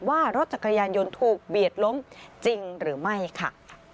ว่ารถจักรยานยนต์ถูกเบียดล้มจริงหรือไม่ค่ะ